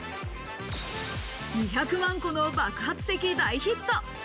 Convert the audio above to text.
２００万個の爆発的大ヒット。